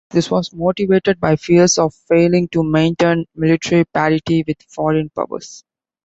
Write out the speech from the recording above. This was motivated by fears of failing to maintain military parity with foreign powers.